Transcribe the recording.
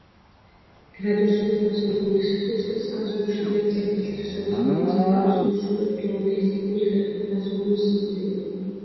გრადუსული გაზომვების სიზუსტეს ხელს უშლიდა წერტილთა შორის მანძილების უშუალოდ გეოდეზიური ხერხით გაზომვის სიძნელე.